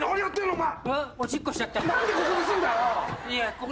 お前。